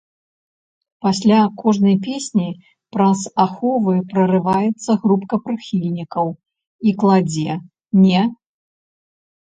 Пасля кожнай песні праз аховы прарываецца групка прыхільнікаў і кладзе, не!